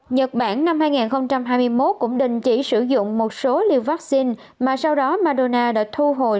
nhật bản năm hai nghìn hai mươi một cũng đình chỉ sử dụng một số liều vaccine mà sau đó maduna đã thu hồi